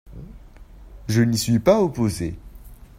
Je n’y suis pas opposé.